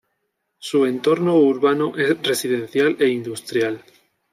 Su entorno urbano es residencial e industrial.